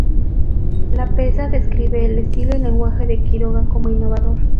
Lapesa describe el estilo y lenguaje de Quiroga como innovador.